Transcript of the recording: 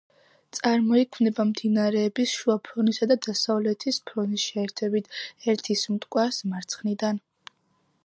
წარმოიქმნება მდინარეების შუა ფრონისა და დასავლეთის ფრონის შეერთებით, ერთვის მტკვარს მარცხნიდან.